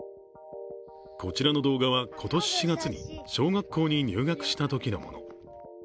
こちらの動画は今年４月に小学校に入学したときのもの。